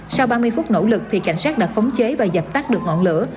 sau ba mươi phút nỗ lực cảnh sát đã phóng chế và dập tắt được ngọn lửa